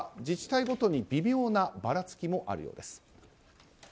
自治体ごとに微妙なばらつきもあるようです。